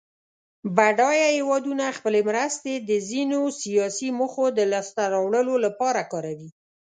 بډایه هېوادونه خپلې مرستې د ځینو سیاسي موخو د لاس ته راوړلو لپاره کاروي.